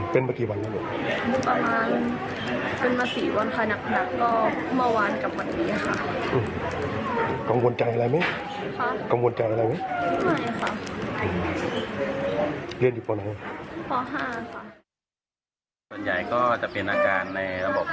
เป็นประมาณ๔วันค่ะหนักมั่ววานก็กับวันนี้ค่ะ